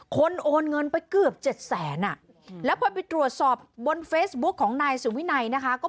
โอนเงินไปเกือบเจ็ดแสนอ่ะแล้วพอไปตรวจสอบบนเฟซบุ๊คของนายสุวินัยนะคะ